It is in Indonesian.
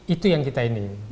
itu yang kita inginkan